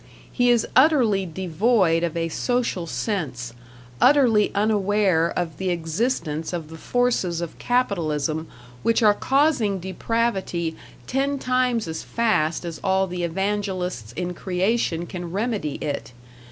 He is utterly devoid of a social sense; utterly unaware of the existence of the forces of capitalism which are causing depravity ten times as fast as all the evangelists in creation can remedy it.